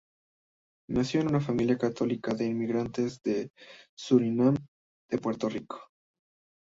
Nació en una familia católica de inmigrantes de Surinam y de Puerto Rico.